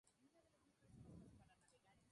Se lo utiliza atado en torno a la cintura.